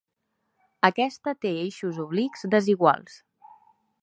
Aquesta té eixos oblics desiguals.